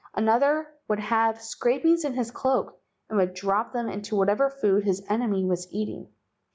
Another would have scrapings in his cloak and would drop them into whatever food his enemy was eating."